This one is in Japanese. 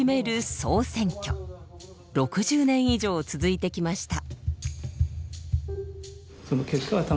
６０年以上続いてきました。